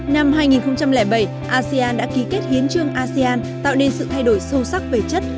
năm hai nghìn bảy asean đã ký kết hiến trương asean tạo nên sự thay đổi sâu sắc về chất